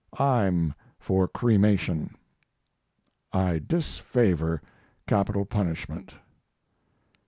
"I'm for cremation." "I disfavor capital punishment."